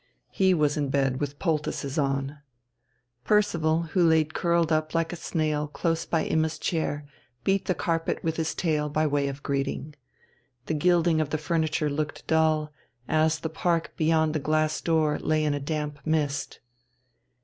He was in bed with poultices on. Percival, who lay curled up like a snail close by Imma's chair, beat the carpet with his tail by way of greeting. The gilding of the furniture looked dull, as the park beyond the glass door lay in a damp mist.